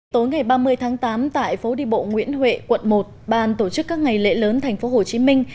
tối ngày ba mươi tháng tám tại phố đi bộ nguyễn huệ quận một ban tổ chức các ngày lễ lớn thành phố hồ chí minh